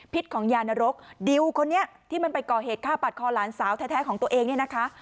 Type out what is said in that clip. ของยานรกดิวคนนี้ที่มันไปก่อเหตุฆ่าปัดคอหลานสาวแท้ของตัวเองเนี่ยนะคะ